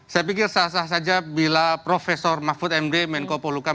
saya pikir sah sah saja bila prof mahfud md menko poluka